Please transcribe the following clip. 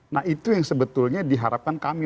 nah itu yang sebetulnya diharapkan kami